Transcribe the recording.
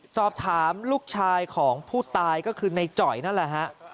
สอบถามลูกชายของผู้ตายก็คือในจ่อยนั่นแหละฮะ